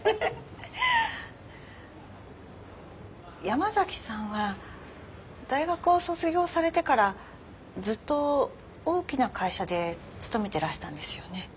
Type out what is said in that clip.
山崎さんは大学を卒業されてからずっと大きな会社で勤めてらしたんですよね？